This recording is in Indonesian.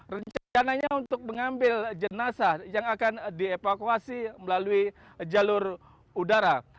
rencananya untuk mengambil jenazah yang akan dievakuasi melalui jalur udara